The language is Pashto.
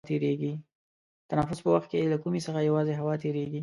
د تنفس په وخت کې له کومي څخه یوازې هوا تیرېږي.